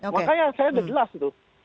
makanya saya jelas gitu